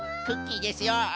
クッキーですよ。